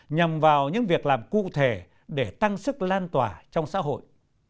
nhằm vào những việc làm cụ thể để tăng sức lan tỏa trong xã hội